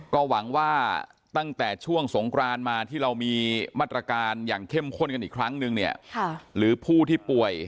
ก็หวังว่าตั้งแต่ช่วงสงกรานมาที่เรามีมาตรการอย่างเข้มข้นกันอีกครั้งนึงเนี่ยหรือผู้ที่ป่วย